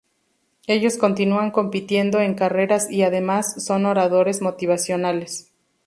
Ellos continúan compitiendo en carreras y además, son Oradores motivacionales.